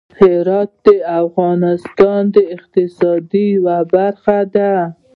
هرات د افغانستان د اقتصاد یوه برخه ده.